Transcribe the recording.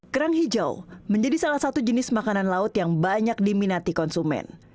kerang hijau menjadi salah satu jenis makanan laut yang banyak diminati konsumen